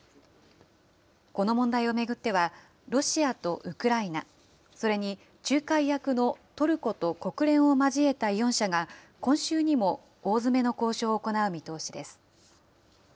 この問題を巡っては、ロシアとウクライナ、それに仲介役のトルコと国連を交えた４者が、今週にも大詰めの交渉を行う見通しです。